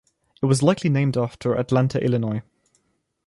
It was likely named after Atlanta, Illinois.